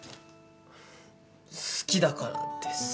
好きだからです。